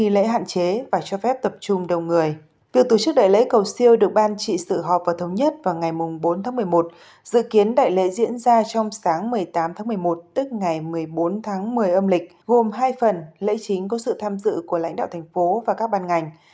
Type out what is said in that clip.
lễ chính có sự tham dự của lãnh đạo thành phố và các ban ngành